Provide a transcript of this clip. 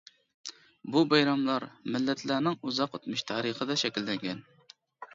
بۇ بايراملار مىللەتلەرنىڭ ئۇزاق ئۆتمۈش تارىخىدا شەكىللەنگەن.